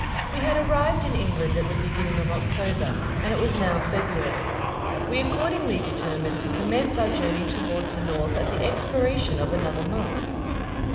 We had arrived in England at the beginning of October, and it was now February. We accordingly determined to commence our journey towards the north at the expiration of another month.